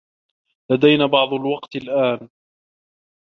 لدينا بعض الوقت الآن.